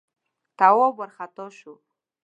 تواب وارخطا شو: